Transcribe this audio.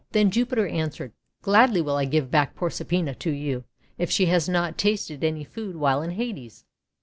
Then Jupiter answered: :< Gladly will I give back Proserpina to you if she has not tasted any food while in Hades.